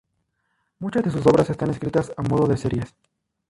Muchas de sus obras están escritas a modo de series.